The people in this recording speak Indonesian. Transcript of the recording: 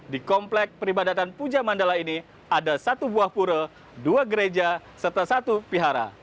di komplek peribadatan puja mandala ini ada satu buah pura dua gereja serta satu pihara